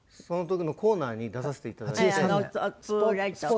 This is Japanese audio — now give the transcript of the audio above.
その時のコーナーに出させて頂いて。